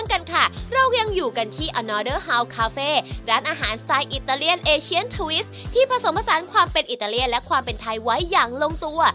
อาหารสไตล์อิตาเลียนเอเชียนทวิสที่ผสมภาษาความเป็นอิตาเลียนและความเป็นไทยไว้อย่างลงตัว